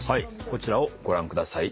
こちらをご覧ください。